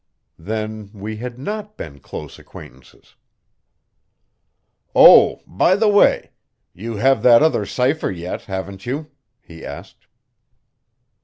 Then we had not been close acquaintances. "Oh, by the way, you have that other cipher yet, haven't you?" he asked.